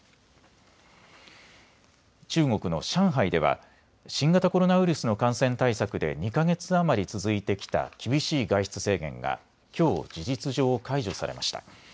中国の上海では新型コロナウイルスの感染対策で２か月余り続いてきた厳しい外出制限がきょう事実上、解除されました。